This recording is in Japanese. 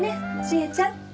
知恵ちゃん。